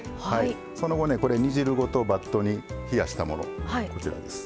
その後ねこれ煮汁ごとバットに冷やしたものこちらです。